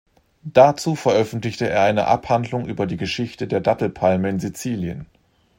Dazu veröffentlichte er eine Abhandlung über die Geschichte der Dattelpalme in Sizilien.